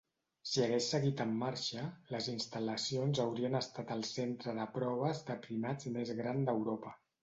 Si hagués seguit en marxa, les instal·lacions haurien estat el centre de proves de primats més gran d'Europa.